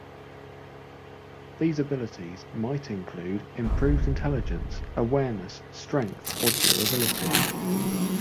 These abilities might include improved intelligence, awareness, strength, or durability.